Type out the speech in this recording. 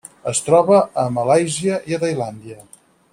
Es troba a Malàisia i Tailàndia.